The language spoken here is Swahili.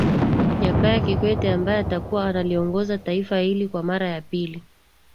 jakaya kikwete ambae atakuwa analiongoza taifa hili kwa mara ya pili